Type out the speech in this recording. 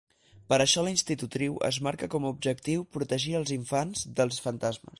Per això la institutriu es marca com a objectiu protegir els infants dels fantasmes.